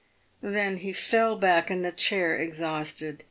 Then he fell back in the chair exhausted.